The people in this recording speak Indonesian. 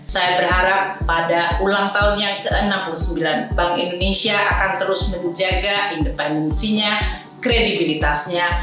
saya berharap pada ulang tahun yang ke enam puluh sembilan bank indonesia akan terus menjaga independensinya kredibilitasnya